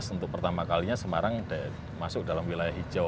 untuk pertama kalinya semarang masuk dalam wilayah hijau